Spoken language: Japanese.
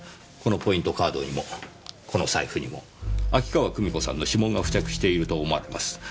このポイントカードにもこの財布にも秋川久美子さんの指紋が付着していると思われます。